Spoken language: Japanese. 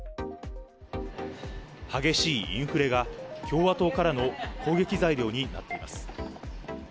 激しいインフレが、共和党からの攻撃材料になっています。